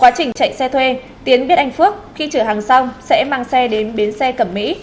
quá trình chạy xe thuê tiến biết anh phước khi chở hàng xong sẽ mang xe đến bến xe cẩm mỹ